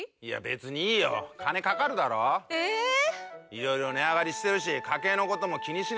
いろいろ値上がりしてるし家計のことも気にしねぇとな。